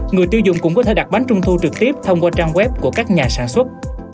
người tiêu dùng cũng có thể đặt bánh trung thu trực tiếp thông qua trang web của các nhà sản xuất